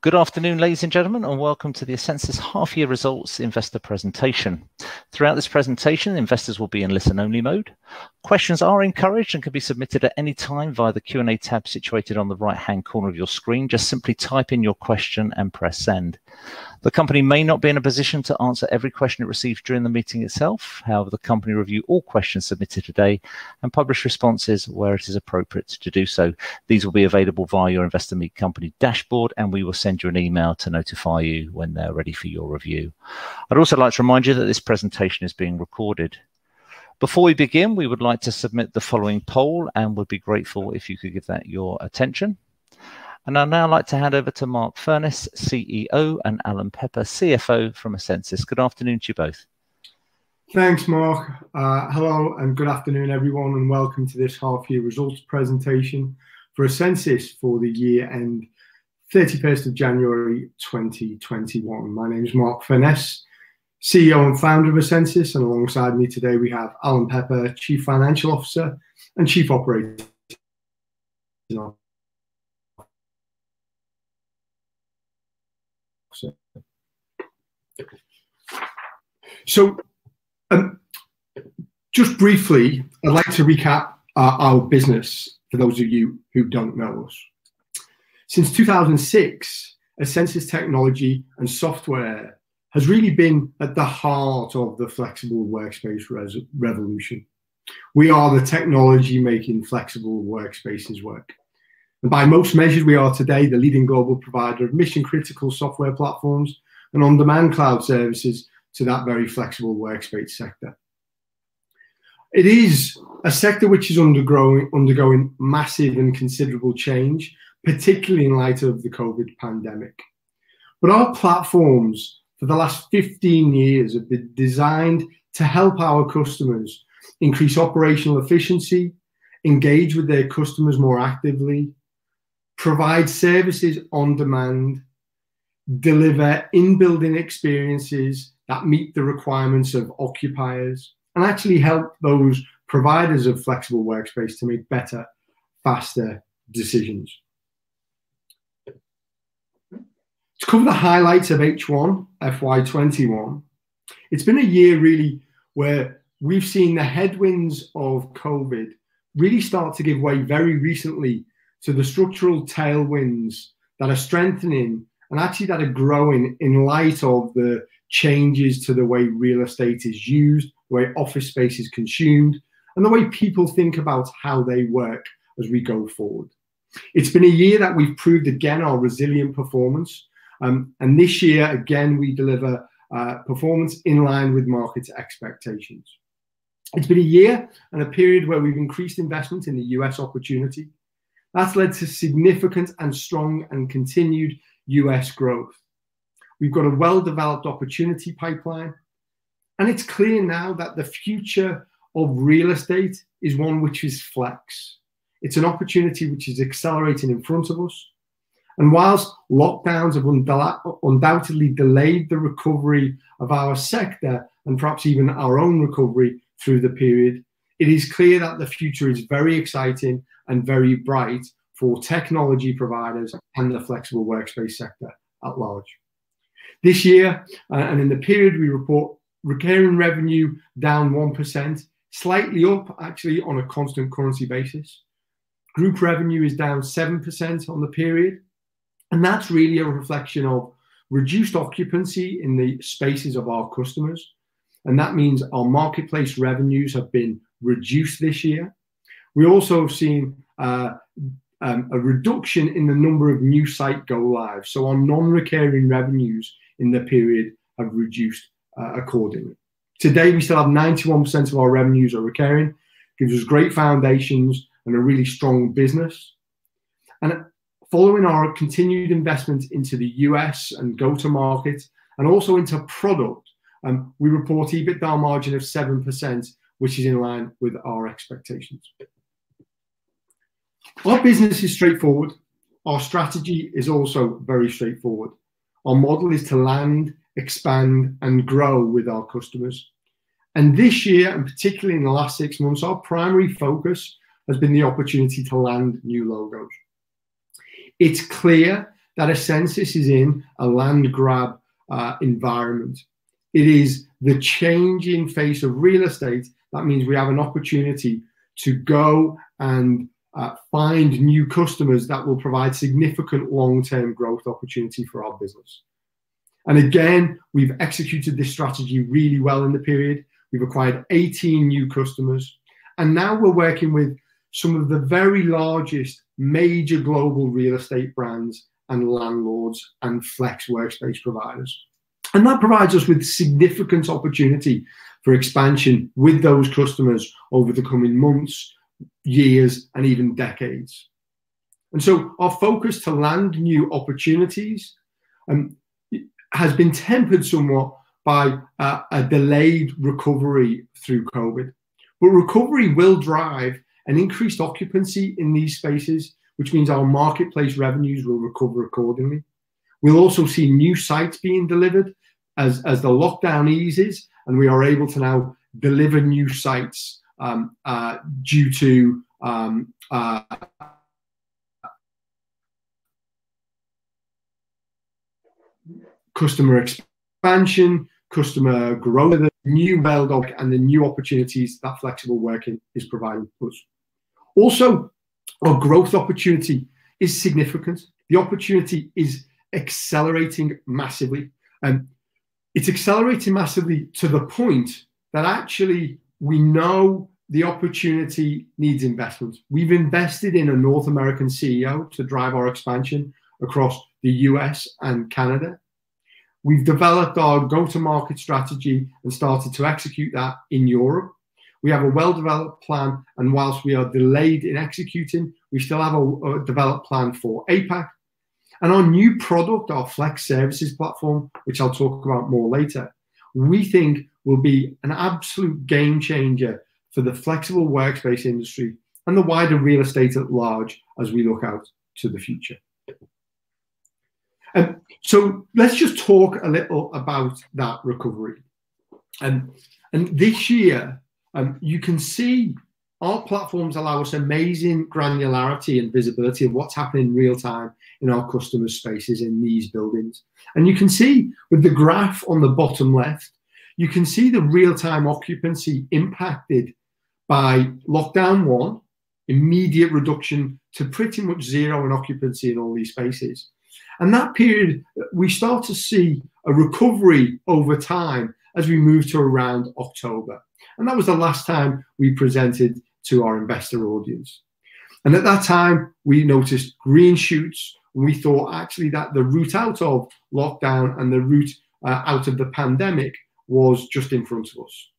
Good afternoon, ladies and gentlemen, and welcome to the essensys half year results investor presentation. Throughout this presentation, investors will be in listen only mode. Questions are encouraged and can be submitted at any time via the Q&A tab situated on the right-hand corner of your screen. Just simply type in your question and press send. The company may not be in a position to answer every question it receives during the meeting itself. However, the company review all questions submitted today and publish responses where it is appropriate to do so. These will be available via your Investor Meet Company dashboard, and we will send you an email to notify you when they're ready for your review. I'd also like to remind you that this presentation is being recorded. Before we begin, we would like to submit the following poll and would be grateful if you could give that your attention. I'd now like to hand over to Mark Furness, CEO, and Alan Pepper, CFO from essensys. Good afternoon to you both. Thanks, Mark. Hello and good afternoon, everyone, and welcome to this half year results presentation for essensys for the year end 31st of January 2021. My name is Mark Furness, CEO and founder of essensys, and alongside me today we have Alan Pepper, Chief Financial Officer and Chief Operating Officer. Just briefly, I'd like to recap our business for those of you who don't know us. Since 2006, essensys technology and software has really been at the heart of the flexible workspace revolution. We are the technology making flexible workspaces work. By most measures, we are today the leading global provider of mission critical software platforms and on-demand cloud services to that very flexible workspace sector. It is a sector which is undergoing massive and considerable change, particularly in light of the COVID pandemic. Our platforms for the last 15 years have been designed to help our customers increase operational efficiency, engage with their customers more actively, provide services on demand, deliver in-building experiences that meet the requirements of occupiers, and actually help those providers of flexible workspace to make better, faster decisions. To cover the highlights of H1 FY 2021, it's been a year really where we've seen the headwinds of COVID really start to give way very recently to the structural tailwinds that are strengthening and actually that are growing in light of the changes to the way real estate is used, the way office space is consumed, and the way people think about how they work as we go forward. It's been a year that we've proved again our resilient performance. This year, again, we deliver performance in line with market expectations. It's been a year and a period where we've increased investment in the U.S. opportunity. That's led to significant and strong and continued U.S. growth. We've got a well-developed opportunity pipeline. It's clear now that the future of real estate is one which is flex. It's an opportunity which is accelerating in front of us. While lockdowns have undoubtedly delayed the recovery of our sector and perhaps even our own recovery through the period, it is clear that the future is very exciting and very bright for technology providers and the flexible workspace sector at large. This year, and in the period we report recurring revenue down 1%, slightly up actually on a constant currency basis. Group revenue is down 7% on the period, and that's really a reflection of reduced occupancy in the spaces of our customers. That means our Marketplace revenues have been reduced this year. We also have seen a reduction in the number of new site go lives. Our non-recurring revenues in the period have reduced accordingly. Today, we still have 91% of our revenues are recurring, gives us great foundations and a really strong business. Following our continued investment into the U.S. and go to market and also into product, we report EBITDA margin of 7%, which is in line with our expectations. Our business is straightforward. Our strategy is also very straightforward. Our model is to land, expand, and grow with our customers. This year, and particularly in the last six months, our primary focus has been the opportunity to land new logos. It's clear that essensys is in a land grab environment. It is the changing face of real estate. That means we have an opportunity to go and find new customers that will provide significant long-term growth opportunity for our business. Again, we've executed this strategy really well in the period. We've acquired 18 new customers. Now we're working with some of the very largest major global real estate brands and landlords and flex workspace providers. That provides us with significant opportunity for expansion with those customers over the coming months, years, and even decades. Our focus to land new opportunities has been tempered somewhat by a delayed recovery through COVID. Recovery will drive an increased occupancy in these spaces, which means our Marketplace revenues will recover accordingly. We'll also see new sites being delivered as the lockdown eases, and we are able to now deliver new sites due to customer expansion, customer growth, the new [Maildog] and the new opportunities that flexible working is providing us. Our growth opportunity is significant. The opportunity is accelerating massively. It's accelerating massively to the point that actually we know the opportunity needs investment. We've invested in a North American CEO to drive our expansion across the U.S. and Canada. We've developed our go-to-market strategy and started to execute that in Europe. We have a well-developed plan, and whilst we are delayed in executing, we still have a developed plan for APAC. Our new product, our Flex Services Platform, which I'll talk about more later, we think will be an absolute game changer for the flexible workspace industry and the wider real estate at large as we look out to the future. Let's just talk a little about that recovery. This year, you can see our platforms allow us amazing granularity and visibility of what's happening real time in our customer spaces in these buildings. You can see with the graph on the bottom left, you can see the real time occupancy impacted by lockdown one, immediate reduction to pretty much zero on occupancy in all these spaces. In that period, we start to see a recovery over time as we move to around October. That was the last time we presented to our investor audience. At that time, we noticed green shoots, and we thought actually that the route out of lockdown and the route out of the pandemic was just in front of us.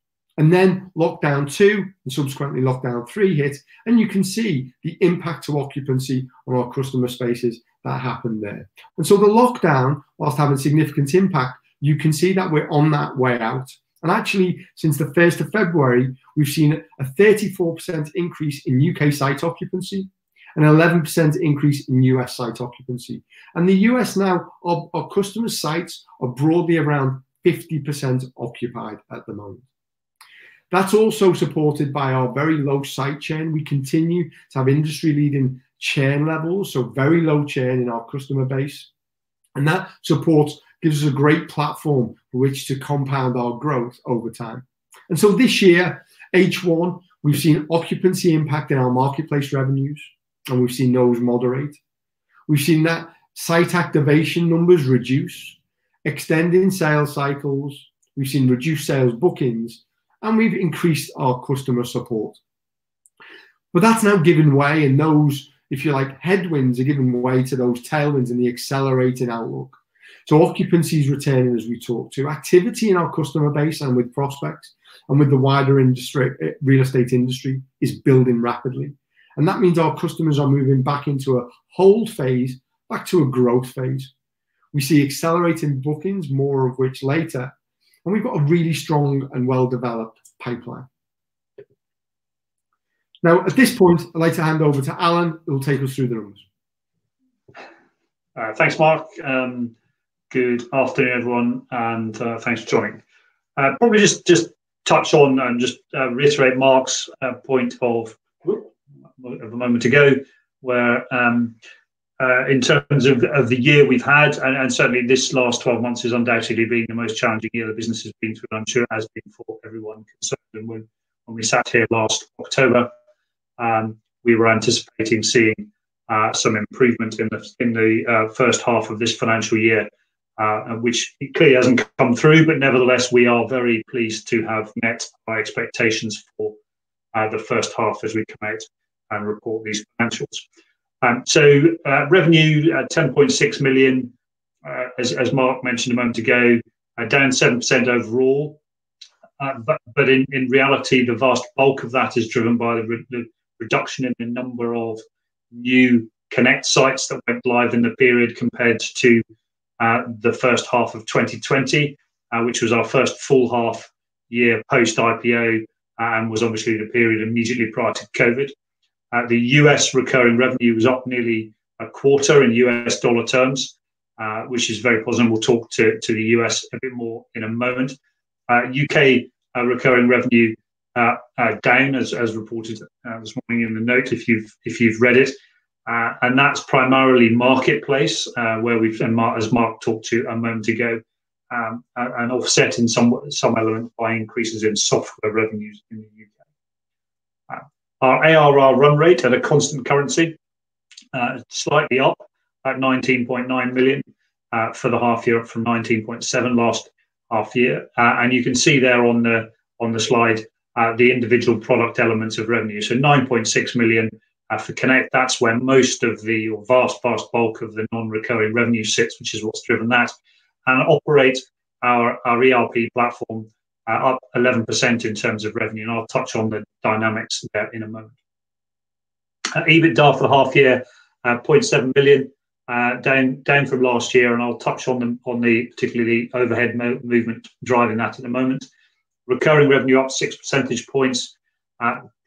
Then lockdown two and subsequently lockdown three hit, you can see the impact to occupancy on our customer spaces that happened there. The lockdown, whilst having significant impact, you can see that we're on that way out. Actually, since the 1st of February, we've seen a 34% increase in U.K. site occupancy and an 11% increase in U.S. site occupancy. The U.S. now, our customer sites are broadly around 50% occupied at the moment. That's also supported by our very low site churn. We continue to have industry leading churn levels, so very low churn in our customer base. That support gives us a great platform for which to compound our growth over time. This year, H1, we've seen occupancy impact in our Marketplace revenues, and we've seen those moderate. We've seen that site activation numbers reduce, extending sales cycles. We've seen reduced sales bookings, and we've increased our customer support. That's now giving way and those, if you like, headwinds are giving way to those tailwinds in the accelerating outlook. Occupancy is returning as we talk to. Activity in our customer base and with prospects and with the wider real estate industry is building rapidly. That means our customers are moving back into a hold phase, back to a growth phase. We see accelerating bookings, more of which later, and we've got a really strong and well-developed pipeline. At this point, I'd like to hand over to Alan, who will take us through the numbers. All right. Thanks, Mark. Good afternoon, everyone, and thanks for joining. Probably just touch on and just reiterate Mark's point of a moment ago, where in terms of the year we've had. Certainly this last 12 months has undoubtedly been the most challenging year the business has been through, and I'm sure it has been for everyone concerned. When we sat here last October, we were anticipating seeing some improvement in the first half of this financial year, which clearly hasn't come through. Nevertheless, we are very pleased to have met our expectations for the first half as we come out and report these financials. Revenue at 10.6 million, as Mark mentioned a moment ago, down 7% overall. In reality, the vast bulk of that is driven by the reduction in the number of new Connect sites that went live in the period compared to the first half of 2020, which was our first full half year post IPO, and was obviously the period immediately prior to COVID. The U.S. recurring revenue was up nearly a quarter in U.S. dollar terms, which is very positive, and we'll talk to the U.S. a bit more in a moment. U.K. recurring revenue down as reported this morning in the note, if you've read it, and that's primarily Marketplace, and as Mark talked to a moment ago, and offset in some element by increases in software revenues in the U.K. Our ARR run rate at a constant currency, slightly up at 19.9 million for the half year from 19.7 last half year. You can see there on the slide the individual product elements of revenue. 9.6 million for Connect. That's where most of the vast bulk of the non-recurring revenue sits, which is what's driven that. Operate, our ERP platform, up 11% in terms of revenue. I'll touch on the dynamics there in a moment. EBITDA for the half year, 0.7 million, down from last year, and I'll touch on particularly the overhead movement driving that in a moment. Recurring revenue up six percentage points,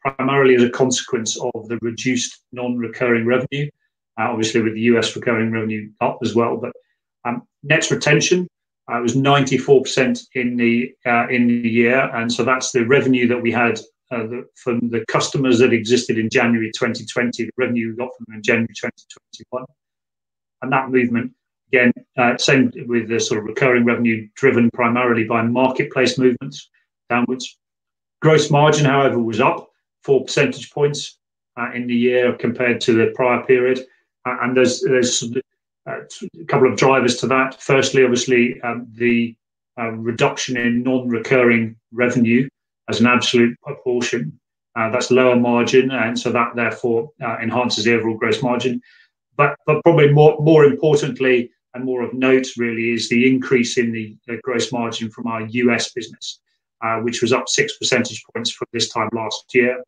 primarily as a consequence of the reduced non-recurring revenue, obviously with the U.S. recurring revenue up as well. Net retention was 94% in the year. That's the revenue that we had from the customers that existed in January 2020, the revenue we got from them in January 2021. That movement, again, same with the recurring revenue driven primarily by Marketplace movements downwards. Gross margin, however, was up four percentage points in the year compared to the prior period. There's a couple of drivers to that. Firstly, obviously, the reduction in non-recurring revenue as an absolute proportion. That's lower margin, that therefore enhances the overall gross margin. Probably more importantly and more of note really is the increase in the gross margin from our U.S. business, which was up six percentage points from this time last year.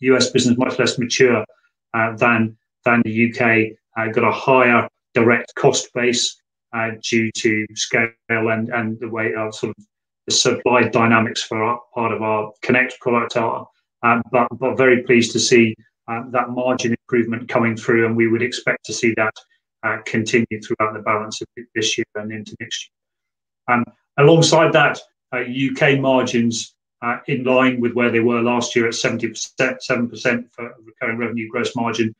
U.S. business, much less mature than the U.K., got a higher direct cost base due to scale and the way our supply dynamics for part of our Connect product are. Very pleased to see that margin improvement coming through, and we would expect to see that continue throughout the balance of this year and into next year. Alongside that, U.K. margins are in line with where they were last year at 77% for recurring revenue gross margin.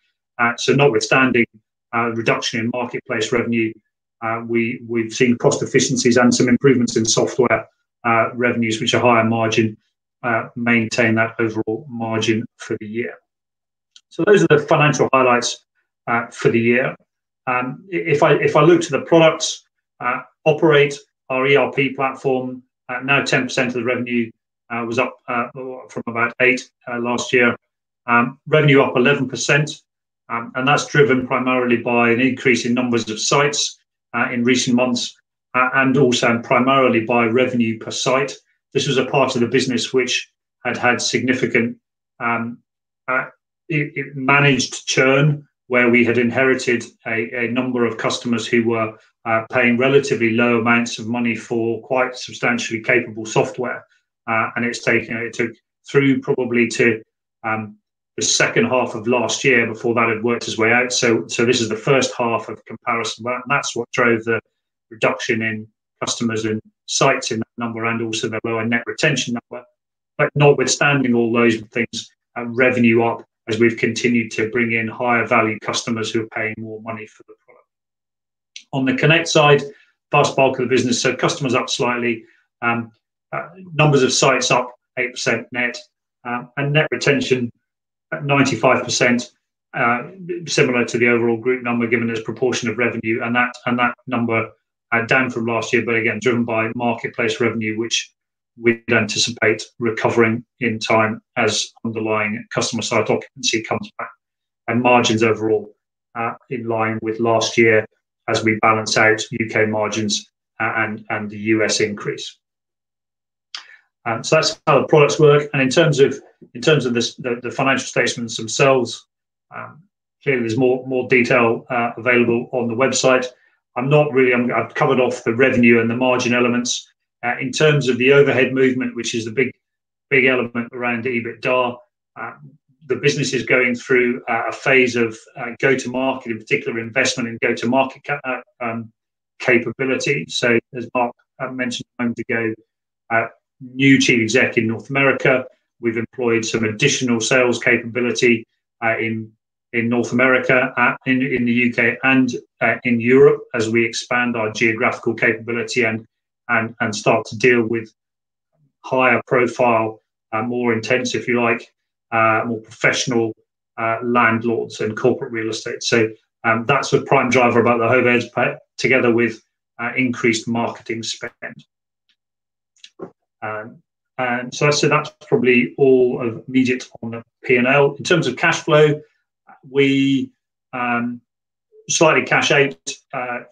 Notwithstanding a reduction in marketplace revenue, we've seen cost efficiencies and some improvements in software revenues, which are higher margin, maintain that overall margin for the year. Those are the financial highlights for the year. If I look to the products, Operate, our ERP platform, now 10% of the revenue was up from about eight last year. Revenue up 11%, that's driven primarily by an increase in numbers of sites in recent months, and also primarily by revenue per site. This was a part of the business which at high significant, It managed churn where we had inherited a number of customers who were paying relatively low amounts of money for quite substantially capable software. It took through probably to the second half of last year before that had worked its way out. This is the first half of comparison, and that's what drove the reduction in customers and sites in that number, and also the lower net retention number. Notwithstanding all those things, revenue up as we've continued to bring in higher value customers who are paying more money for the product. On the Connect side, vast bulk of the business. Customers up slightly. Numbers of sites up 8% net. Net retention at 95%, similar to the overall group number given as proportion of revenue. That number down from last year, but again, driven by Marketplace revenue, which we anticipate recovering in time as underlying customer site occupancy comes back. Margins overall are in line with last year as we balance out U.K. margins and the U.S. increase. That's how the products work. In terms of the financial statements themselves, clearly there's more detail available on the website. I've covered off the revenue and the margin elements. In terms of the overhead movement, which is the big element around EBITDA, the business is going through a phase of go-to-market, in particular investment in go-to-market capability. As Mark mentioned some time ago, new Chief Exec in North America. We've employed some additional sales capability in North America, in the U.K., and in Europe as we expand our geographical capability and start to deal with higher profile, more intense, if you like, more professional landlords in corporate real estate. That's the prime driver about the overhead spend together with increased marketing spend. I said that's probably all of immediate on the P&L. In terms of cash flow, we slightly cash out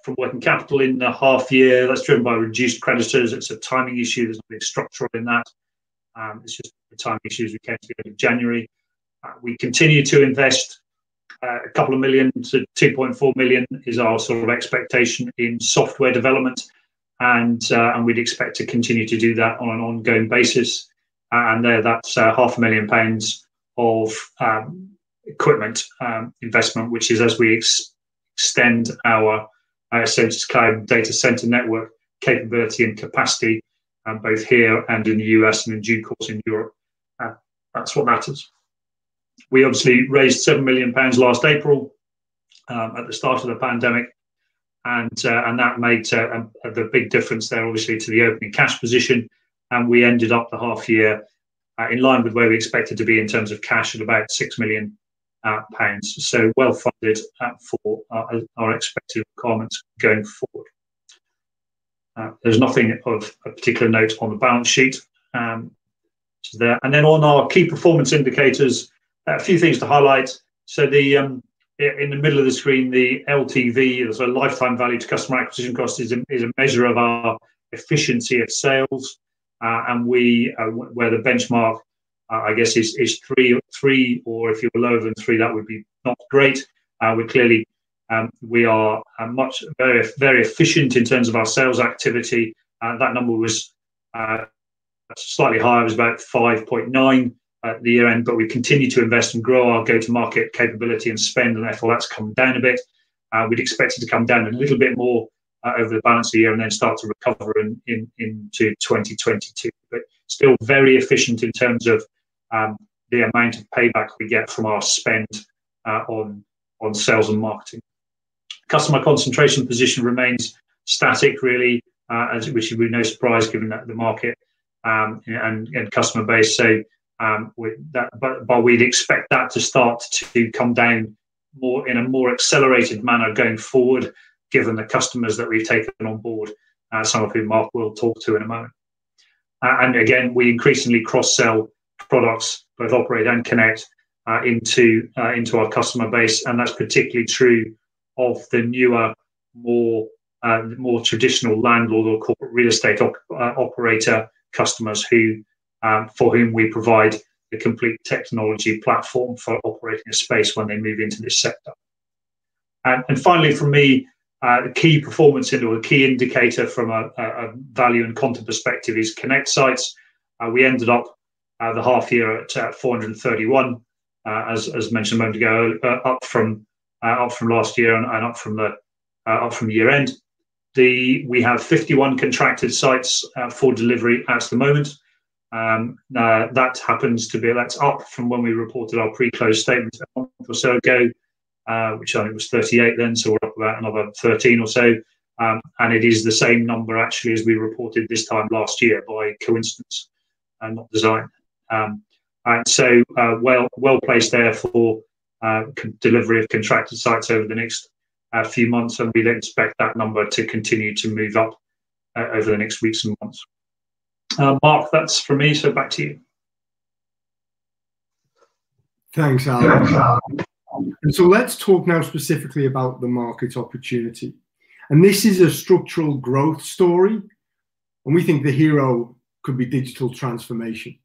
from working capital in the half year. That's driven by reduced creditors. It's a timing issue. There's nothing structural in that. It's just timing issues we came to at the end of January. We continue to invest 2 million-2.4 million is our sort of expectation in software development. We'd expect to continue to do that on an ongoing basis. There, that's half a million GBP of equipment investment, which is as we extend our essensys Cloud data center network capability and capacity, both here and in the U.S., and in due course, in Europe. That's what matters. We obviously raised 7 million pounds last April at the start of the pandemic, and that made a big difference there, obviously, to the opening cash position. We ended up the half year in line with where we expected to be in terms of cash at about 6 million pounds. Well-funded for our expected requirements going forward. There's nothing of particular note on the balance sheet. On our key performance indicators, a few things to highlight. In the middle of the screen, the LTV, so lifetime value to customer acquisition cost is a measure of our efficiency of sales. Where the benchmark, I guess, is three, or if you're lower than three, that would be not great. We're clearly very efficient in terms of our sales activity. That number was slightly higher. It was about 5.9 at the year-end, but we continue to invest and grow our go-to-market capability and spend, and therefore that's come down a bit. We'd expect it to come down a little bit more over the balance of the year and then start to recover into 2022. Still very efficient in terms of the amount of payback we get from our spend on sales and marketing. Customer concentration position remains static really, which would be no surprise given the market and customer base. We'd expect that to start to come down in a more accelerated manner going forward, given the customers that we've taken on board, some of whom Mark will talk to in a moment. Again, we increasingly cross-sell products, both Operate and Connect, into our customer base, and that's particularly true of the newer, more traditional landlord or corporate real estate operator customers, for whom we provide the complete technology platform for operating a space when they move into this sector. Finally from me, a key performance indicator or a key indicator from a value and content perspective is Connect sites. We ended up the half year at 431, as mentioned a moment ago, up from last year and up from year end. We have 51 contracted sites for delivery at the moment. Now that's up from when we reported our pre-close statement a month or so ago, which I think was 38 then, so we're up another 13 or so. It is the same number actually as we reported this time last year by coincidence and not design. Well-placed there for delivery of contracted sites over the next few months, and we'd expect that number to continue to move up over the next weeks and months. Mark, that's from me, so back to you. Thanks, Alan. Let's talk now specifically about the market opportunity. This is a structural growth story, and we think the hero could be digital transformation.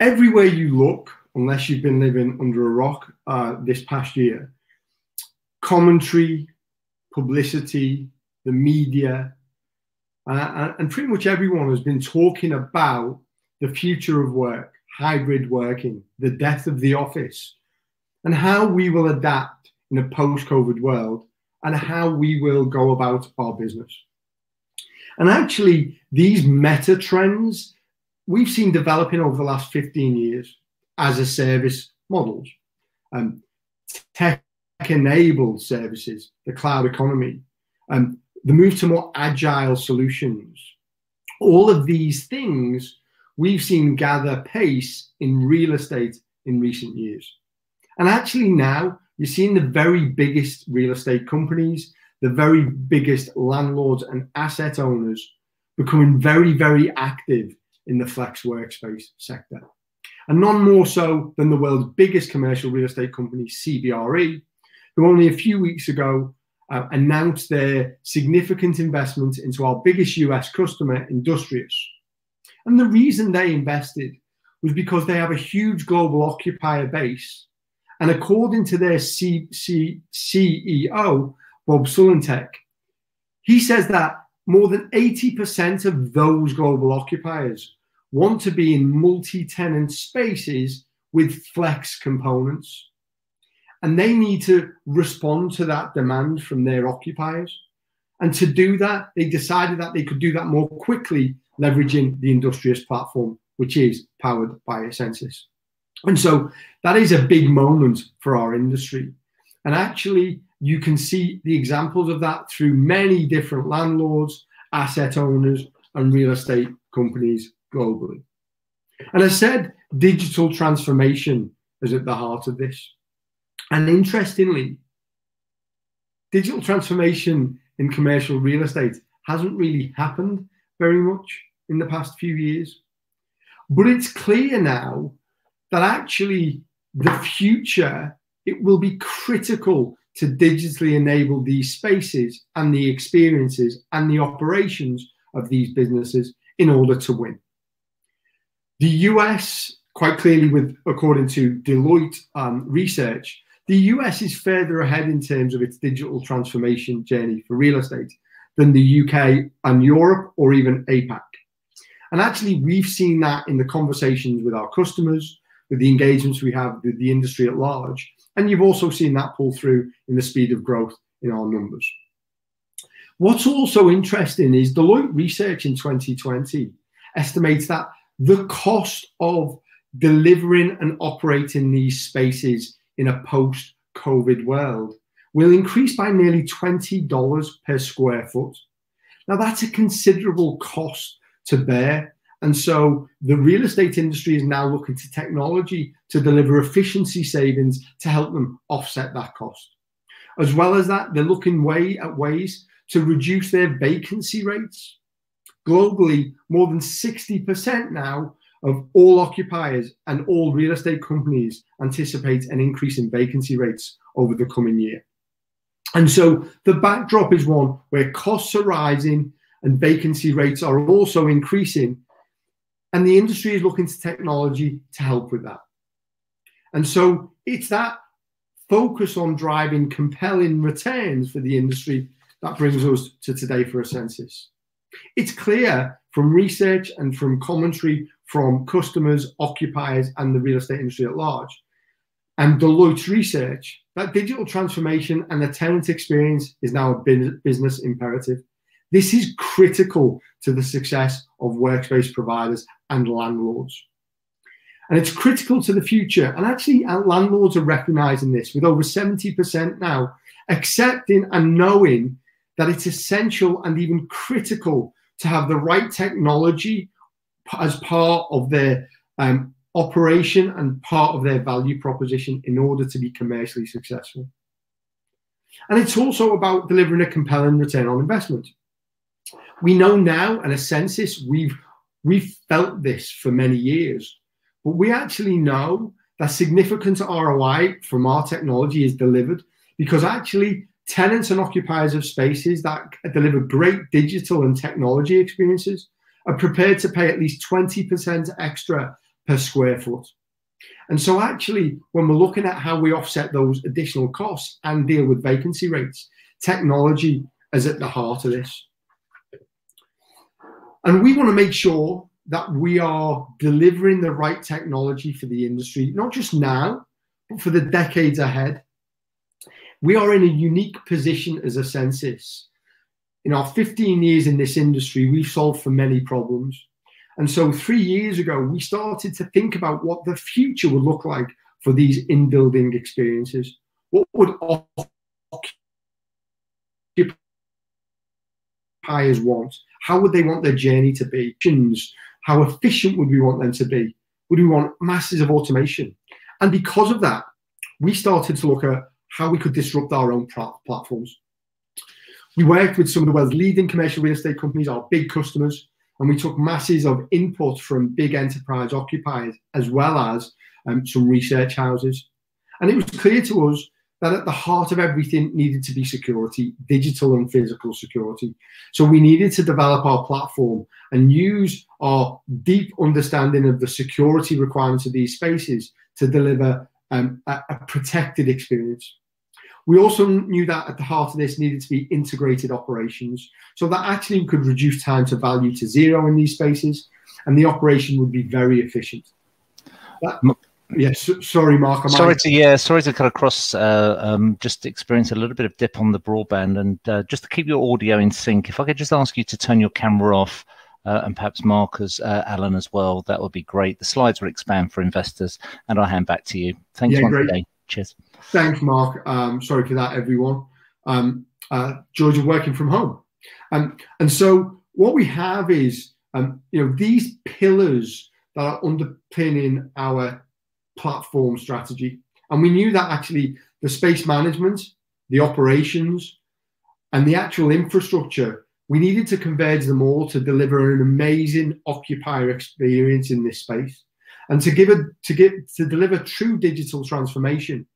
Everywhere you look, unless you've been living under a rock this past year, commentary, publicity, the media, and pretty much everyone has been talking about the future of work, hybrid working, the death of the office, and how we will adapt in a post-COVID world, and how we will go about our business. Actually, these meta trends we've seen developing over the last 15 years as a service models. Tech-enabled services, the cloud economy, the move to more agile solutions. All of these things we've seen gather pace in real estate in recent years. Actually now, you're seeing the very biggest real estate companies, the very biggest landlords and asset owners becoming very, very active in the flex workspace sector. None more so than the world's biggest commercial real estate company, CBRE, who only a few weeks ago announced their significant investment into our biggest U.S. customer, Industrious. The reason they invested was because they have a huge global occupier base. According to their CEO, Bob Sulentic, he says that more than 80% of those global occupiers want to be in multi-tenant spaces with flex components. They need to respond to that demand from their occupiers. To do that, they decided that they could do that more quickly leveraging the Industrious platform, which is powered by essensys. That is a big moment for our industry. Actually, you can see the examples of that through many different landlords, asset owners, and real estate companies globally. I said digital transformation is at the heart of this. Interestingly, digital transformation in commercial real estate hasn't really happened very much in the past few years. It's clear now that actually the future, it will be critical to digitally enable these spaces and the experiences and the operations of these businesses in order to win. The U.S. quite clearly, according to Deloitte research, the U.S. is further ahead in terms of its digital transformation journey for real estate than the U.K. and Europe or even APAC. Actually, we've seen that in the conversations with our customers, with the engagements we have with the industry at large, and you've also seen that pull through in the speed of growth in our numbers. What's also interesting is Deloitte research in 2020 estimates that the cost of delivering and operating these spaces in a post-COVID world will increase by nearly GBP 20 per square foot. Now, that's a considerable cost to bear. The real estate industry is now looking to technology to deliver efficiency savings to help them offset that cost. As well as that, they're looking at ways to reduce their vacancy rates. Globally, more than 60% now of all occupiers and all real estate companies anticipate an increase in vacancy rates over the coming year. The backdrop is one where costs are rising and vacancy rates are also increasing, and the industry is looking to technology to help with that. It's that focus on driving compelling returns for the industry that brings us to today for essensys. It's clear from research and from commentary from customers, occupiers, and the real estate industry at large. Deloitte's research, that digital transformation and the tenant experience is now a business imperative. This is critical to the success of workspace providers and landlords. It's critical to the future. Actually, landlords are recognizing this, with over 70% now accepting and knowing that it's essential and even critical to have the right technology as part of their operation and part of their value proposition in order to be commercially successful. It's also about delivering a compelling return on investment. We know now, and at essensys, we've felt this for many years, but we actually know that significant ROI from our technology is delivered because actually tenants and occupiers of spaces that deliver great digital and technology experiences are prepared to pay at least 20% extra per square foot. Actually, when we're looking at how we offset those additional costs and deal with vacancy rates, technology is at the heart of this. We want to make sure that we are delivering the right technology for the industry, not just now, but for the decades ahead. We are in a unique position as essensys. In our 15 years in this industry, we've solved for many problems. Three years ago, we started to think about what the future would look like for these in-building experiences. What would our occupiers want? How would they want their journey to be? How efficient would we want them to be? Would we want masses of automation? Because of that, we started to look at how we could disrupt our own platforms. We worked with some of the world's leading commercial real estate companies, our big customers. We took masses of input from big enterprise occupiers, as well as some research houses. It was clear to us that at the heart of everything needed to be security, digital and physical security. We needed to develop our platform and use our deep understanding of the security requirements of these spaces to deliver a protected experience. We also knew that at the heart of this needed to be integrated operations, so that actually could reduce time to value to zero in these spaces, and the operation would be very efficient. Yeah, sorry, Mark, I might- Sorry to cut across. Just experienced a little bit of dip on the broadband and just to keep your audio in sync, if I could just ask you to turn your camera off, and perhaps Mark, Alan as well. That would be great. The slides will expand for investors, and I'll hand back to you. Thanks once again. Yeah, great. Cheers. Thank you, Mark. Sorry for that, everyone. Joys of working from home. What we have is these pillars that are underpinning our platform strategy, and we knew that actually the space management, the operations, and the actual infrastructure, we needed to converge them all to deliver an amazing occupier experience in this space. To deliver true digital transformation,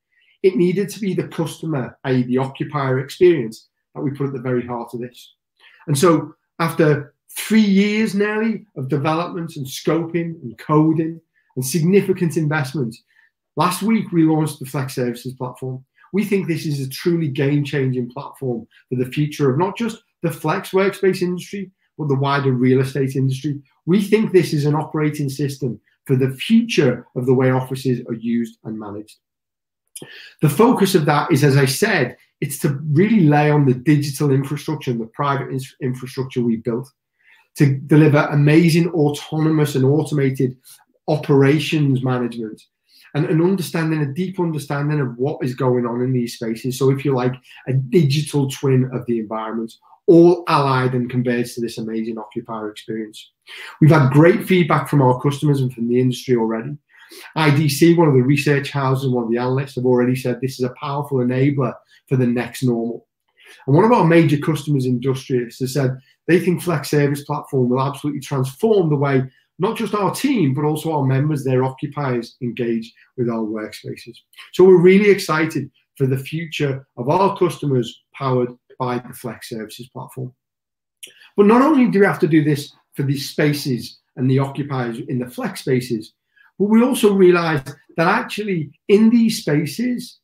it needed to be the customer, i.e., the occupier experience, that we put at the very heart of this. After three years now of development and scoping and coding and significant investment, last week, we launched the Flex Services Platform. We think this is a truly game-changing platform for the future of not just the flex workspace industry, but the wider real estate industry. We think this is an operating system for the future of the way offices are used and managed. The focus of that is, as I said, it's to really lay on the digital infrastructure and the private infrastructure we've built to deliver amazing autonomous and automated operations management, and an understanding, a deep understanding of what is going on in these spaces. If you like, a digital twin of the environment, all allied and converged to this amazing occupier experience. We've had great feedback from our customers and from the industry already. IDC, one of the research houses and one of the analysts, have already said this is a powerful enabler for the next normal. One of our major customers, Industrious, has said they think Flex Services Platform will absolutely transform the way not just our team, but also our members, their occupiers, engage with our workspaces. We're really excited for the future of our customers powered by the Flex Services Platform. Not only do we have to do this for these spaces and the occupiers in the flex spaces, but we also realized that actually in these spaces,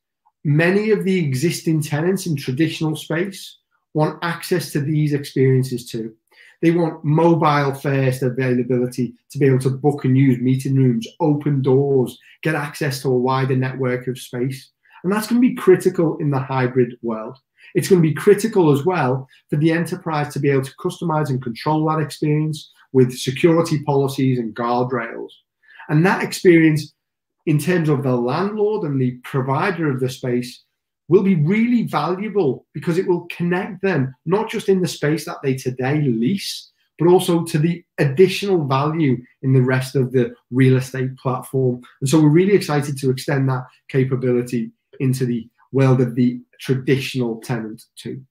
many of the existing tenants in traditional space want access to these experiences, too. They want mobile-first availability to be able to book and use meeting rooms, open doors, get access to a wider network of space, and that's going to be critical in the hybrid world. It's going to be critical as well for the enterprise to be able to customize and control that experience with security policies and guardrails. And that experience in terms of the landlord and the provider of the space will be really valuable because it will connect them not just in the space that they today lease, but also to the additional value in the rest of the real estate platform. We're really excited to extend that capability into the world of the traditional tenant, too.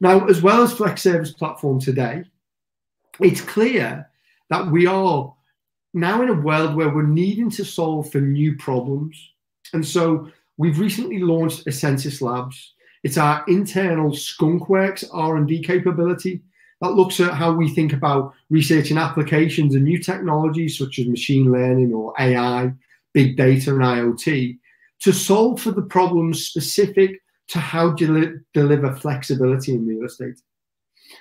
Flex Services Platform today, it's clear that we are now in a world where we're needing to solve for new problems, and so we've recently launched essensys Labs. It's our internal skunk works R&D capability that looks at how we think about researching applications and new technologies such as machine learning or AI, big data, and IoT, to solve for the problems specific to how do you deliver flexibility in real estate.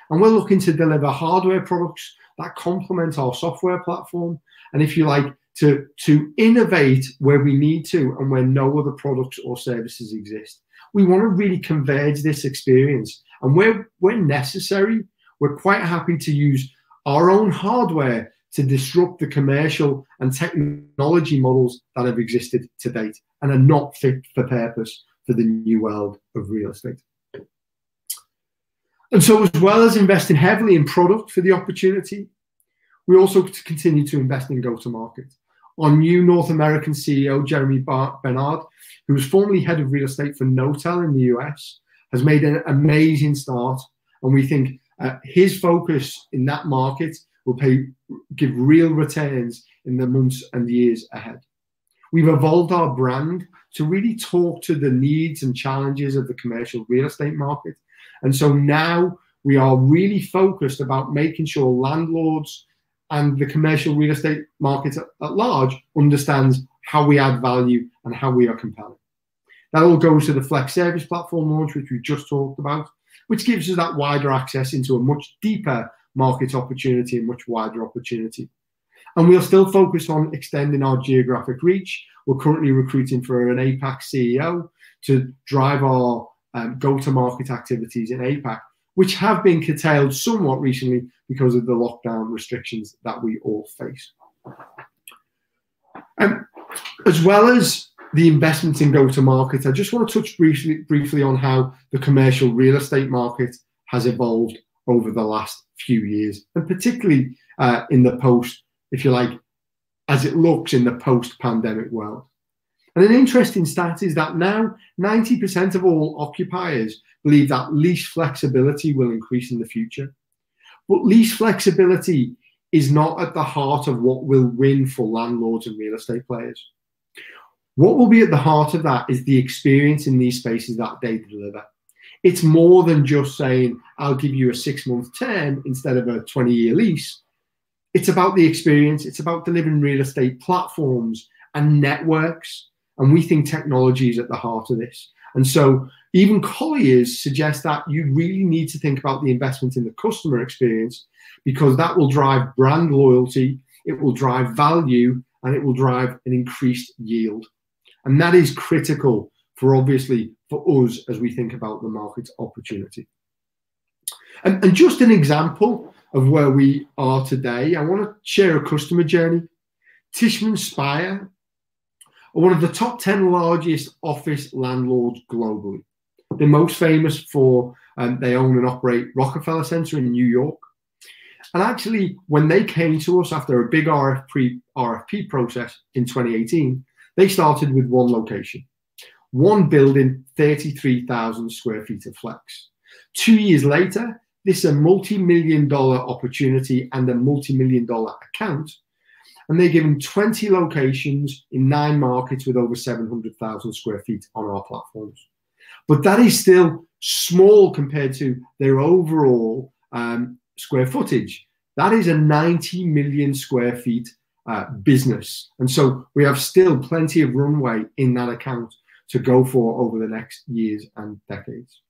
We're looking to deliver hardware products that complement our software platform, and if you like, to innovate where we need to and where no other products or services exist. We want to really converge this experience. Where necessary, we're quite happy to use our own hardware to disrupt the commercial and technology models that have existed to date and are not fit for purpose for the new world of real estate. As well as investing heavily in product for the opportunity, we also continue to invest in go-to-market. Our new North American CEO, Jeremy Bernard, who was formerly head of real estate for Knotel in the U.S., has made an amazing start, and we think his focus in that market will give real returns in the months and years ahead. We've evolved our brand to really talk to the needs and challenges of the commercial real estate market. Now we are really focused about making sure landlords and the commercial real estate market at large understands how we add value and how we are compelling. That all goes to the Flex Services Platform launch, which we just talked about, which gives us that wider access into a much deeper market opportunity and much wider opportunity. We are still focused on extending our geographic reach. We're currently recruiting for an APAC CEO to drive our go-to-market activities in APAC, which have been curtailed somewhat recently because of the lockdown restrictions that we all face. As well as the investments in go-to-market, I just want to touch briefly on how the commercial real estate market has evolved over the last few years, and particularly in the post, if you like, as it looks in the post-pandemic world. An interesting stat is that now 90% of all occupiers believe that lease flexibility will increase in the future. Lease flexibility is not at the heart of what will win for landlords and real estate players. What will be at the heart of that is the experience in these spaces that they deliver. It's more than just saying, "I'll give you a six-month term instead of a 20-year lease." It's about the experience. It's about the living real estate platforms and networks, and we think technology is at the heart of this. Even Colliers suggests that you really need to think about the investment in the customer experience, because that will drive brand loyalty, it will drive value, and it will drive an increased yield. And that is critical obviously for us as we think about the market opportunity. And just an example of where we are today, I want to share a customer journey. Tishman Speyer are one of the top 10 largest office landlords globally. They own and operate Rockefeller Center in New York. When they came to us after a big RFP process in 2018, they started with one location, one building, 33,000 sq ft of flex. Two years later, this a multimillion GBP opportunity and a multimillion GBP account, and they're giving 20 locations in nine markets with over 700,000 sq ft on our platforms. That is still small compared to their overall square footage. That is a 90 million sq ft business. We have still plenty of runway in that account to go for over the next years and decades.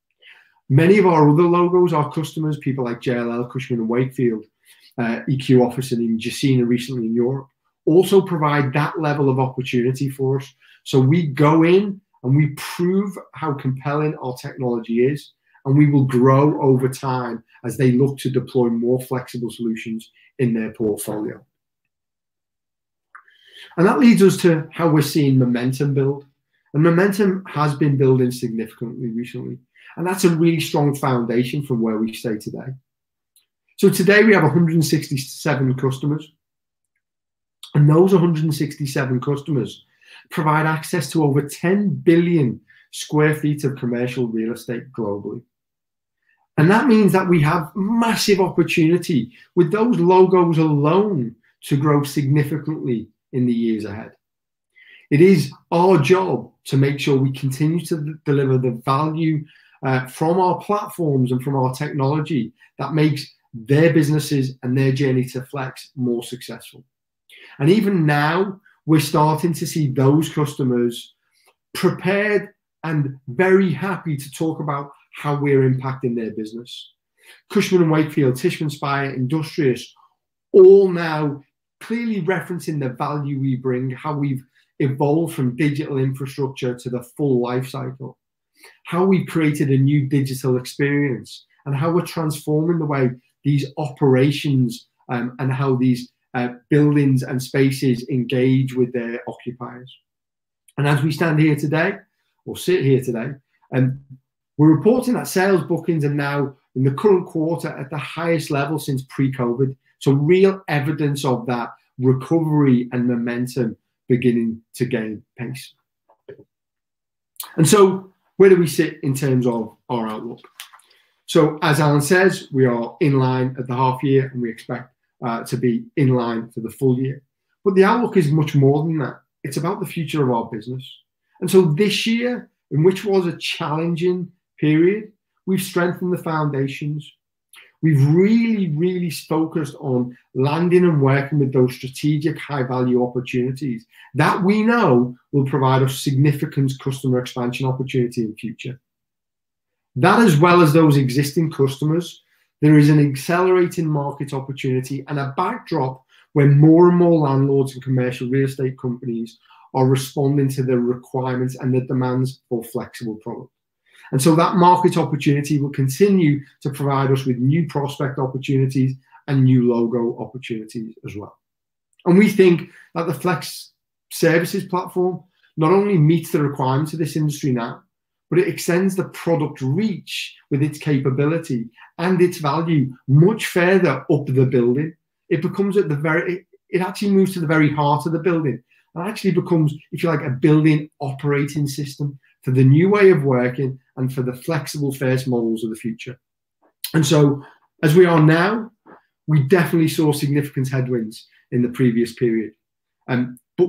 Many of our other logos, our customers, people like JLL, Cushman & Wakefield, EQ Office, and even Gecina recently in Europe, also provide that level of opportunity for us. We go in and we prove how compelling our technology is, and we will grow over time as they look to deploy more flexible solutions in their portfolio. That leads us to how we're seeing momentum build, and momentum has been building significantly recently. That's a really strong foundation from where we stay today. Today we have 167 customers, and those 167 customers provide access to over 10 billion sq ft of commercial real estate globally. That means that we have massive opportunity with those logos alone to grow significantly in the years ahead. It is our job to make sure we continue to deliver the value from our platforms and from our technology that makes their businesses and their journey to flex more successful. Even now, we're starting to see those customers prepared and very happy to talk about how we're impacting their business. Cushman & Wakefield, Tishman Speyer, Industrious, all now clearly referencing the value we bring, how we've evolved from digital infrastructure to the full life cycle. How we created a new digital experience, how we're transforming the way these operations and how these buildings and spaces engage with their occupiers. As we stand here today or sit here today, we're reporting that sales bookings are now in the current quarter at the highest level since pre-COVID. Real evidence of that recovery and momentum beginning to gain pace. Where do we sit in terms of our outlook? As Alan says, we are in line at the half year, and we expect to be in line for the full year. The outlook is much more than that. It's about the future of our business. This year, in which was a challenging period, we've strengthened the foundations. We've really focused on landing and working with those strategic high-value opportunities that we know will provide a significant customer expansion opportunity in the future. As well as those existing customers, there is an accelerating market opportunity and a backdrop where more and more landlords and commercial real estate companies are responding to the requirements and the demands for flexible product. That market opportunity will continue to provide us with new prospect opportunities and new logo opportunities as well. We think that the Flex Services Platform not only meets the requirements of this industry now, but it extends the product reach with its capability and its value much further up the building. It actually moves to the very heart of the building and actually becomes, if you like, a building operating system for the new way of working and for the flexible first models of the future. As we are now, we definitely saw significant headwinds in the previous period.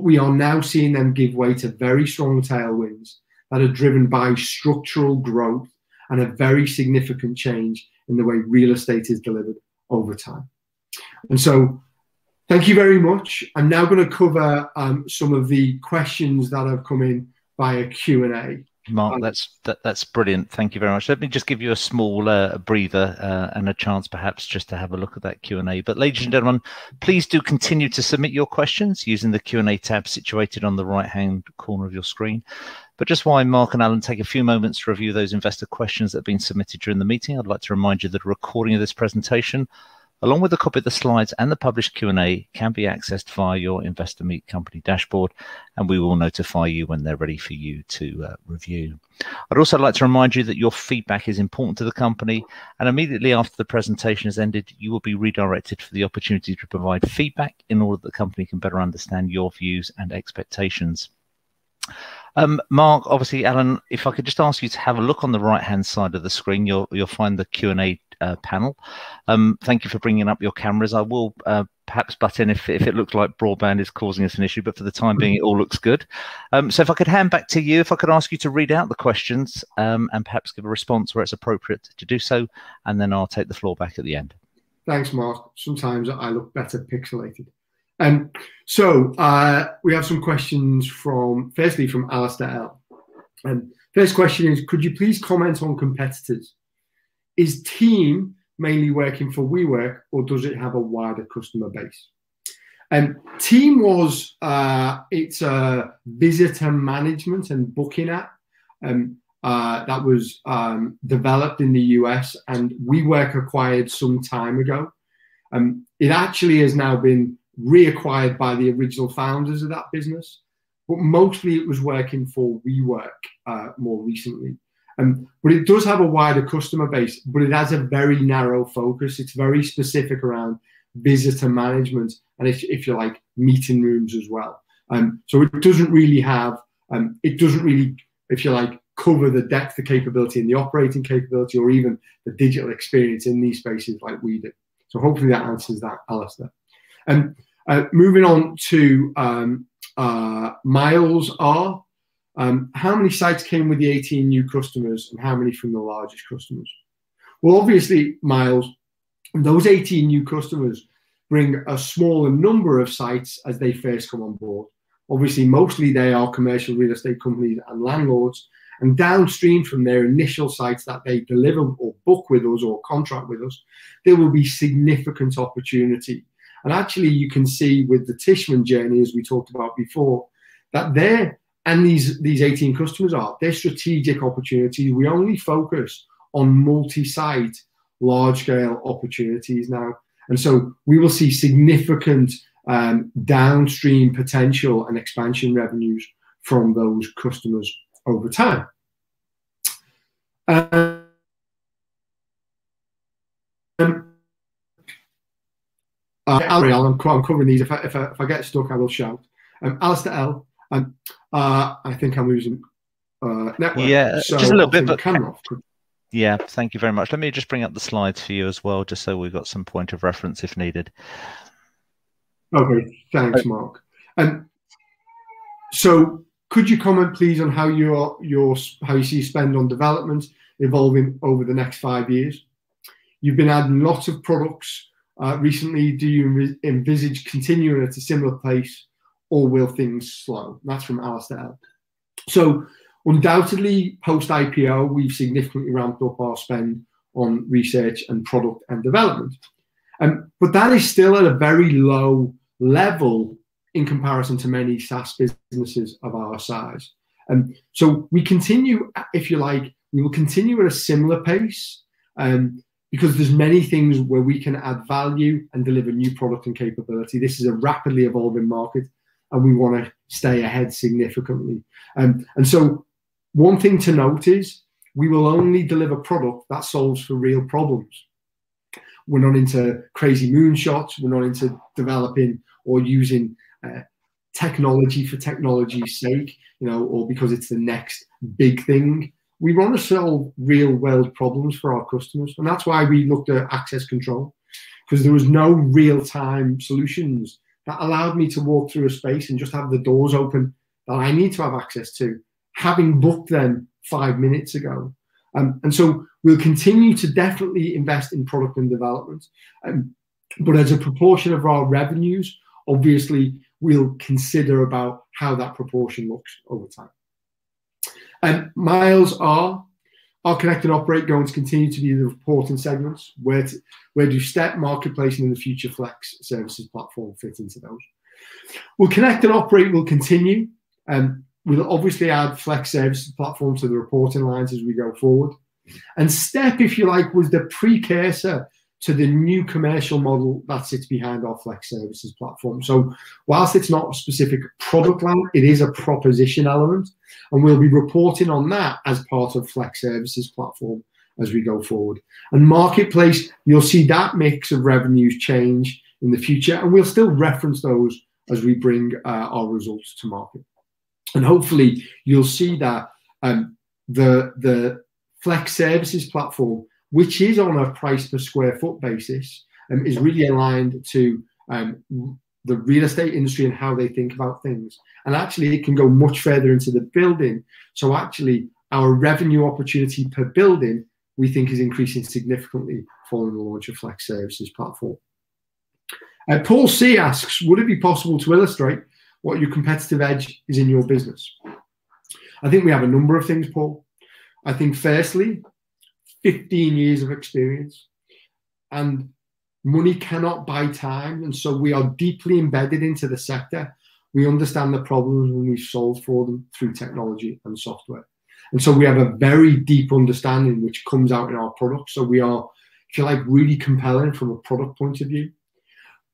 We are now seeing them give way to very strong tailwinds that are driven by structural growth and a very significant change in the way real estate is delivered over time. Thank you very much. I'm now going to cover some of the questions that have come in via Q&A. Mark, that's brilliant. Thank you very much. Let me just give you a small breather, and a chance perhaps just to have a look at that Q&A. Ladies and gentlemen, please do continue to submit your questions using the Q&A tab situated on the right-hand corner of your screen. Just while Mark and Alan take a few moments to review those investor questions that have been submitted during the meeting, I'd like to remind you that a recording of this presentation, along with a copy of the slides and the published Q&A can be accessed via your Investor Meet Company dashboard, and we will notify you when they're ready for you to review. I'd also like to remind you that your feedback is important to the company. Immediately after the presentation has ended, you will be redirected for the opportunity to provide feedback in order that the company can better understand your views and expectations. Mark, obviously, Alan, if I could just ask you to have a look on the right-hand side of the screen, you'll find the Q&A panel. Thank you for bringing up your cameras. I will perhaps butt in if it looks like broadband is causing us an issue. For the time being, it all looks good. If I could hand back to you, if I could ask you to read out the questions, and perhaps give a response where it's appropriate to do so, and then I'll take the floor back at the end. Thanks, Mark. Sometimes I look better pixelated. We have some questions, firstly from Alistair L. First question is, "Could you please comment on competitors? Is Teem mainly working for WeWork or does it have a wider customer base?" Teem, it's a visitor management and booking app that was developed in the U.S. and WeWork acquired some time ago. It actually has now been reacquired by the original founders of that business. Mostly it was working for WeWork, more recently. It does have a wider customer base, but it has a very narrow focus. It's very specific around visitor management and, if you like, meeting rooms as well. It doesn't really, if you like, cover the depth of capability and the operating capability or even the digital experience in these spaces like we do. Hopefully that answers that, Alistair. Moving on to Miles R. How many sites came with the 18 new customers, and how many from the largest customers?" Well, obviously, Miles, those 18 new customers bring a smaller number of sites as they first come on board. Obviously, mostly they are commercial real estate companies and landlords, and downstream from their initial sites that they deliver or book with us or contract with us, there will be significant opportunity. Actually, you can see with the Tishman journey, as we talked about before, that there, and these 18 customers are, they're strategic opportunities. We only focus on multi-site, large scale opportunities now. So we will see significant downstream potential and expansion revenues from those customers over time. Carry on. I'm covering these. If I get stuck, I will shout. Alistair L. I think I'm losing network. Yeah. Just a little bit. I'll turn the camera off. Yeah. Thank you very much. Let me just bring up the slides for you as well, just so we've got some point of reference if needed. Okay. Thanks, Mark. Could you comment please on how you see spend on development evolving over the next five years? You've been adding lots of products recently. Do you envisage continuing at a similar pace or will things slow? That's from Alistair L. Undoubtedly, post IPO, we've significantly ramped up our spend on research and product and development. That is still at a very low level in comparison to many SaaS businesses of our size. We continue, if you like, we will continue at a similar pace, because there's many things where we can add value and deliver new product and capability. This is a rapidly evolving market and we want to stay ahead significantly. One thing to note is we will only deliver product that solves for real problems. We're not into crazy moonshots. We're not into developing or using technology for technology's sake, or because it's the next big thing. We want to solve real world problems for our customers, and that's why we looked at access control, because there was no real time solutions that allowed me to walk through a space and just have the doors open that I need to have access to, having booked them five minutes ago. We'll continue to definitely invest in product and development. As a proportion of our revenues, obviously, we'll consider about how that proportion looks over time. Miles R, "Are Connect and Operate going to continue to be the reporting segments? Where do Step, Marketplace, and in the future Flex Services Platform fit into those?" Well, Connect and Operate will continue. We'll obviously add Flex Services Platform to the reporting lines as we go forward. Step, if you like, was the precursor to the new commercial model that sits behind our Flex Services Platform. Whilst it's not a specific product line, it is a proposition element, and we'll be reporting on that as part of Flex Services Platform as we go forward. Marketplace, you'll see that mix of revenues change in the future, and we'll still reference those as we bring our results to market. Hopefully you'll see that the Flex Services Platform, which is on a price per square foot basis, is really aligned to the real estate industry and how they think about things. Actually it can go much further into the building. Actually, our revenue opportunity per building, we think is increasing significantly following the launch of Flex Services Platform. Paul C. asks, "Would it be possible to illustrate what your competitive edge is in your business?" I think we have a number of things, Paul. I think firstly, 15 years of experience. Money cannot buy time, and so we are deeply embedded into the sector. We understand the problems, and we've solved for them through technology and software. We have a very deep understanding which comes out in our product. We are, if you like, really compelling from a product point of view.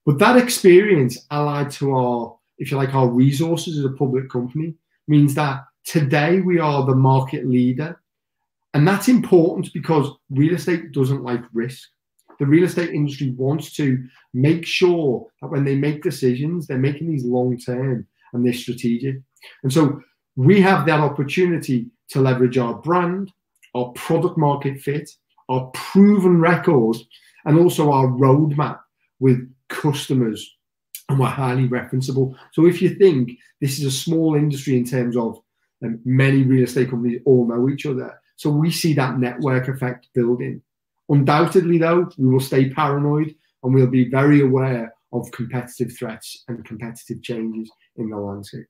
That experience allied to our, if you like, our resources as a public company, means that today we are the market leader, and that's important because real estate doesn't like risk. The real estate industry wants to make sure that when they make decisions, they're making these long term, and they're strategic. We have that opportunity to leverage our brand, our product market fit, our proven records, and also our roadmap with customers, and we're highly referenceable. If you think this is a small industry in terms of many real estate companies all know each other. We see that network effect building. Undoubtedly though, we will stay paranoid, and we'll be very aware of competitive threats and competitive changes in the landscape.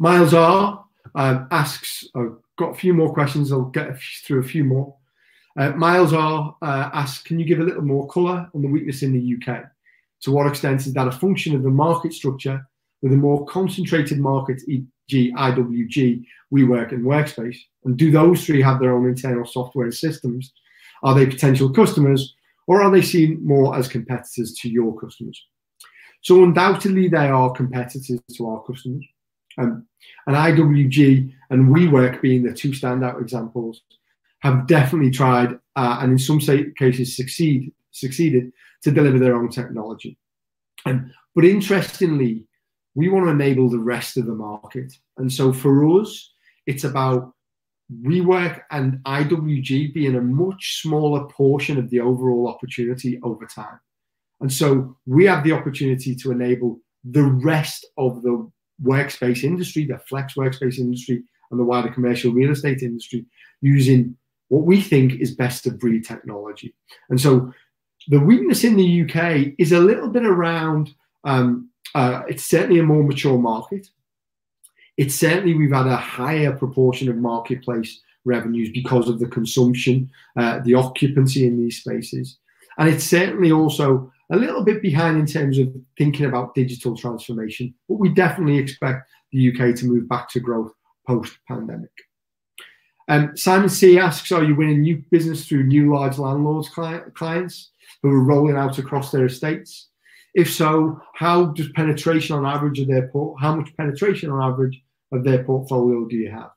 Miles R asks I've got a few more questions. I'll get through a few more. Miles R asks, "Can you give a little more color on the weakness in the U.K.? To what extent is that a function of the market structure with a more concentrated market, e.g. IWG, WeWork, and Workspace, and do those three have their own internal software systems? Are they potential customers, or are they seen more as competitors to your customers? Undoubtedly they are competitors to our customers. IWG and WeWork being the two standout examples, have definitely tried, and in some cases succeeded, to deliver their own technology. Interestingly, we want to enable the rest of the market. For us, it's about WeWork and IWG being a much smaller portion of the overall opportunity over time. We have the opportunity to enable the rest of the workspace industry, the flex workspace industry, and the wider commercial real estate industry, using what we think is best-of-breed technology. The weakness in the U.K. is a little bit around, it's certainly a more mature market. It's certainly we've had a higher proportion of Marketplace revenues because of the consumption, the occupancy in these spaces. It's certainly also a little bit behind in terms of thinking about digital transformation. We definitely expect the U.K. to move back to growth post-pandemic. Simon C asks, "Are you winning new business through new large landlords clients who are rolling out across their estates? If so, how much penetration on average of their portfolio do you have?"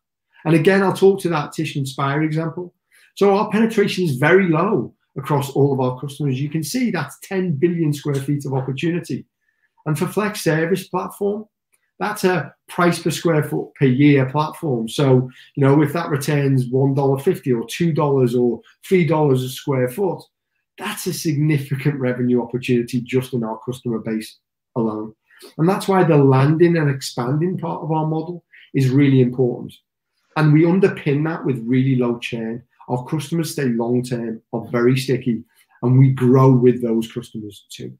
Again, I'll talk to that Tishman Speyer example. Our penetration is very low across all of our customers. You can see that's 10 billion sq ft of opportunity. For Flex Services Platform, that's a price per sq ft per year platform. If that returns GBP 1.50 or GBP 2 or GBP 3 a sq ft, that's a significant revenue opportunity just in our customer base alone. That's why the landing and expanding part of our model is really important. We underpin that with really low churn. Our customers stay long-term, are very sticky, and we grow with those customers, too.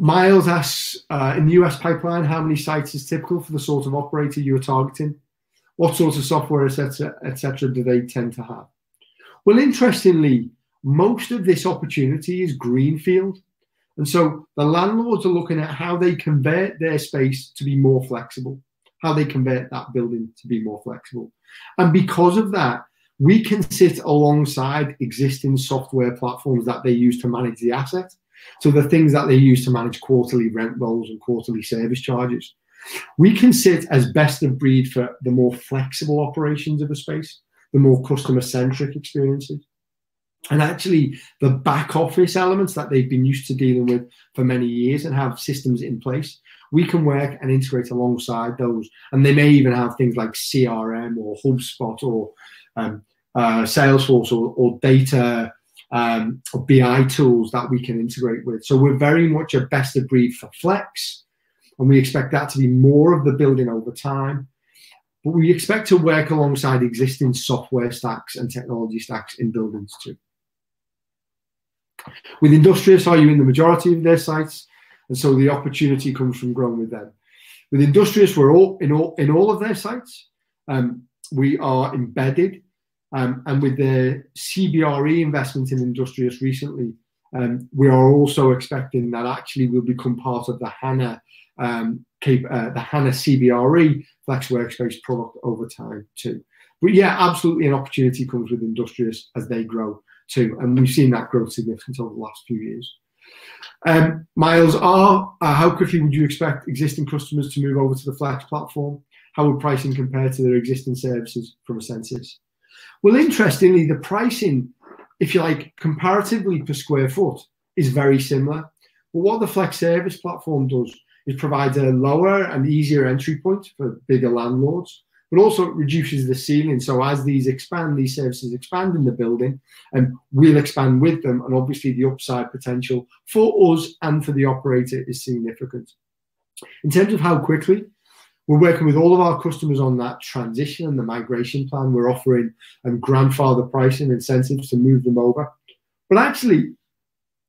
Miles asks, "In the U.S. pipeline, how many sites is typical for the sort of operator you are targeting? What sort of software, et cetera, do they tend to have?" Well, interestingly, most of this opportunity is greenfield. The landlords are looking at how they convert their space to be more flexible, how they convert that building to be more flexible. Because of that, we can sit alongside existing software platforms that they use to manage the asset. The things that they use to manage quarterly rent rolls and quarterly service charges. We can sit as best of breed for the more flexible operations of a space, the more customer-centric experiences. Actually, the back office elements that they've been used to dealing with for many years and have systems in place, we can work and integrate alongside those. They may even have things like CRM or HubSpot or Salesforce or data, or BI tools that we can integrate with. We're very much a best of breed for flex. We expect that to be more of the building over time. We expect to work alongside existing software stacks and technology stacks in buildings too. With Industrious, are you in the majority of their sites? The opportunity comes from growing with them. With Industrious, we're in all of their sites. We are embedded. With the CBRE investment in Industrious recently, we are also expecting that actually we'll become part of the Hana CBRE flex workspace product over time too. Yeah, absolutely an opportunity comes with Industrious as they grow too, and we've seen that growth significantly over the last few years. Miles R., "How quickly would you expect existing customers to move over to the Flex platform? How would pricing compare to their existing services from essensys?" Well, interestingly, the pricing, if you like, comparatively per square foot is very similar. What the Flex Services Platform does is provides a lower and easier entry point for bigger landlords, but also it reduces the ceiling. As these expand, these services expand in the building, we'll expand with them, and obviously the upside potential for us and for the operator is significant. In terms of how quickly, we're working with all of our customers on that transition and the migration plan. We're offering grandfather pricing incentives to move them over. Actually,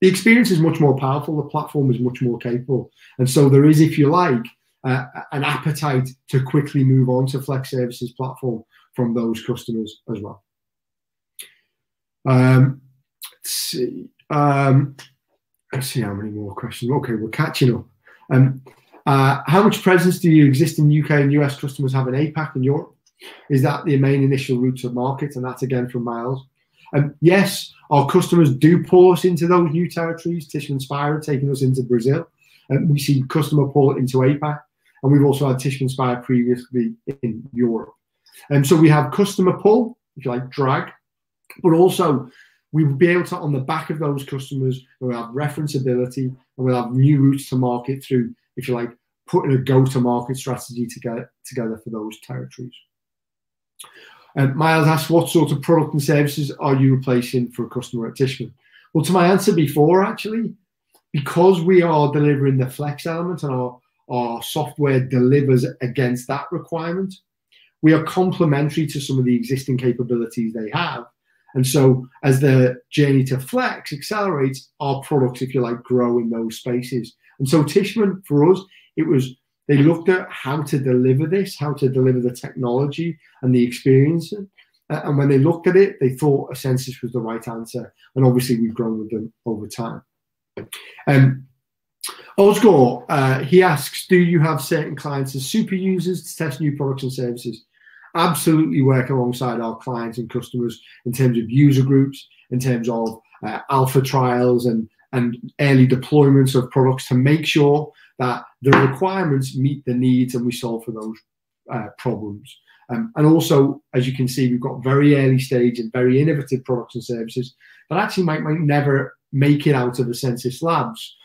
the experience is much more powerful, the platform is much more capable. There is, if you like, an appetite to quickly move on to Flex Services Platform from those customers as well. Let's see how many more questions. Okay, we're catching up. "How much presence do you exist in U.K. and U.S.? Customers have in APAC and Europe. Is that the main initial routes of market?" That's again from Miles. Yes, our customers do pull us into those new territories. Tishman Speyer are taking us into Brazil. We've seen customer pull into APAC, and we've also had Tishman Speyer previously in Europe. We have customer pull, if you like, drag, but also we'll be able to, on the back of those customers, we'll have reference-ability, and we'll have new routes to market through, if you like, putting a go-to-market strategy together for those territories. Miles asks, "What sort of product and services are you replacing for a customer at Tishman?" Well, to my answer before actually, because we are delivering the flex element and our software delivers against that requirement, we are complementary to some of the existing capabilities they have. As the journey to flex accelerates, our products, if you like, grow in those spaces. Tishman, for us, they looked at how to deliver this, how to deliver the technology and the experience. When they looked at it, they thought essensys was the right answer. Obviously we've grown with them over time. Ozgur, he asks, "Do you have certain clients as super users to test new products and services?" Absolutely work alongside our clients and customers in terms of user groups, in terms of alpha trials and early deployments of products to make sure that the requirements meet the needs and we solve for those problems. Also, as you can see, we've got very early stage and very innovative products and services that actually might never make it out of essensys Labs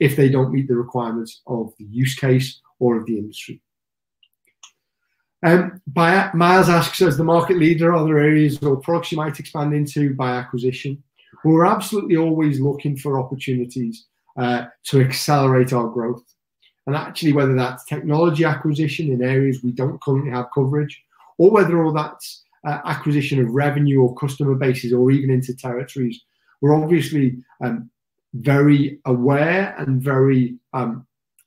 if they don't meet the requirements of the use case or of the industry. Miles asks, "As the market leader, are there areas or products you might expand into by acquisition?" We're absolutely always looking for opportunities to accelerate our growth. Actually, whether that's technology acquisition in areas we don't currently have coverage, or whether that's acquisition of revenue or customer bases or even into territories. We're obviously very aware and very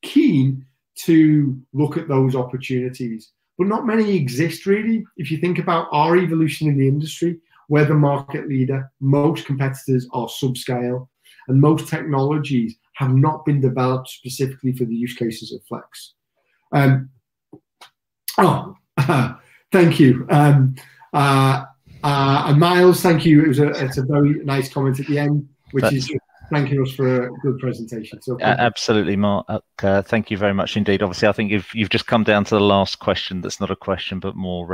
keen to look at those opportunities. Not many exist, really. If you think about our evolution in the industry, we're the market leader. Most competitors are subscale, and most technologies have not been developed specifically for the use cases of flex. Thank you. Miles, thank you. It was a very nice comment at the end, which is thanking us for a good presentation, so thank you. Absolutely, Mark. Thank you very much indeed. I think you've just come down to the last question that's not a question, but more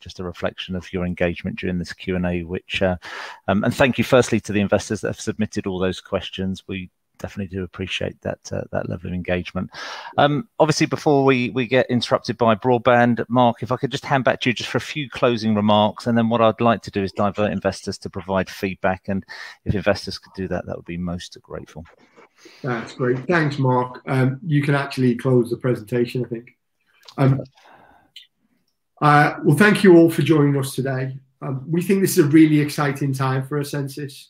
just a reflection of your engagement during this Q&A. Thank you firstly to the investors that have submitted all those questions. We definitely do appreciate that level of engagement. Before we get interrupted by broadband, Mark, if I could just hand back to you just for a few closing remarks, then what I'd like to do is divert investors to provide feedback. If investors could do that would be most grateful. That's great. Thanks, Mark. You can actually close the presentation, I think. Well, thank you all for joining us today. We think this is a really exciting time for essensys.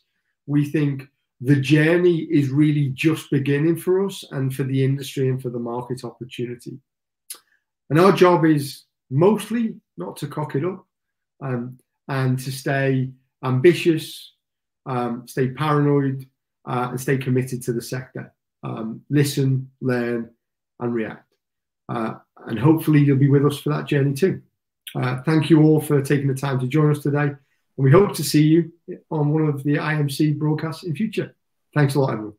We think the journey is really just beginning for us and for the industry and for the market opportunity. Our job is mostly not to cock it up, and to stay ambitious, stay paranoid, and stay committed to the sector. Listen, learn, and react. Hopefully you'll be with us for that journey too. Thank you all for taking the time to join us today, and we hope to see you on one of the IMC broadcasts in future. Thanks a lot, everyone.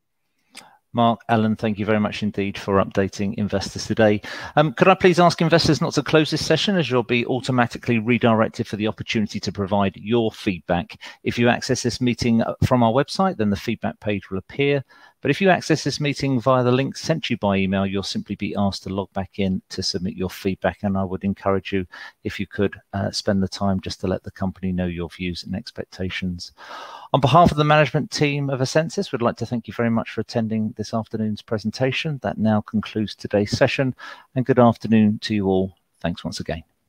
Mark, Alan, thank you very much indeed for updating investors today. Could I please ask investors not to close this session as you'll be automatically redirected for the opportunity to provide your feedback. If you access this meeting from our website, then the feedback page will appear. If you access this meeting via the link sent to you by email, you'll simply be asked to log back in to submit your feedback. I would encourage you, if you could, spend the time just to let the company know your views and expectations. On behalf of the management team of essensys, we'd like to thank you very much for attending this afternoon's presentation. That now concludes today's session, and good afternoon to you all. Thanks once again.